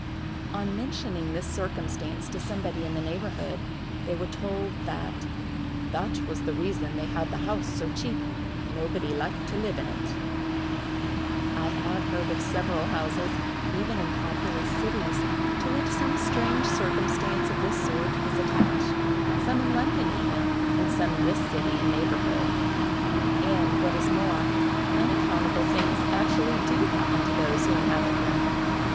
On mentioning this circumstance to somebody in the neighborhood, they were told that "that was the reason they had the house so cheap: nobody liked to live in it." I have heard of several houses, even in populous cities, to which some strange circumstance of this sort is attached—some in London even, and some in this city and neighborhood; and, what is more, unaccountable things actually do happen to those who inhabit them.